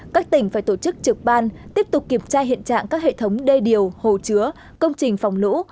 các tỉnh phải tổ chức trực ban tiếp tục kiểm tra hiện trạng các hệ thống đê điều hồ chứa công trình phòng lũ